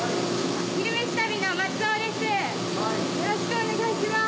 よろしくお願いします。